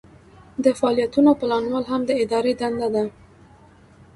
د فعالیتونو پلانول هم د ادارې دنده ده.